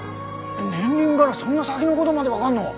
年輪がらそんな先のごどまで分がんの？